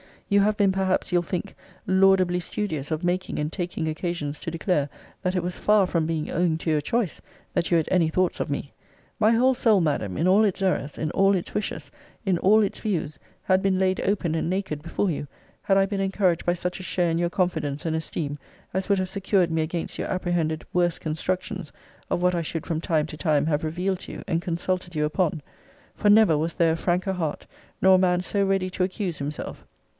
You have been perhaps, you'll think, laudably studious of making and taking occasions to declare, that it was far from being owing to your choice, that you had any thoughts of me. My whole soul, Madam, in all its errors, in all its wishes, in all its views, had been laid open and naked before you, had I been encouraged by such a share in your confidence and esteem, as would have secured me against your apprehended worst constructions of what I should from time to time have revealed to you, and consulted you upon. For never was there a franker heart; nor a man so ready to accuse himself.